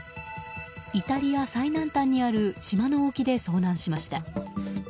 イタリア最南端にある島の沖で遭難しました。